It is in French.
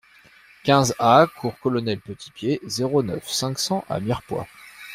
quinze A cours Colonel Petitpied, zéro neuf, cinq cents à Mirepoix